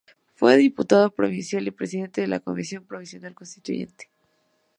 Fue diputado provincial y presidente de la convención provincial constituyente.